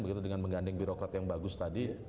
begitu dengan menggandeng birokrat yang bagus tadi